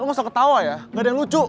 lu masa ketawa ya gak ada yang lucu